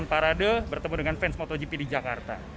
dan melakukan perjalanan parade bertemu dengan fans motogp di jakarta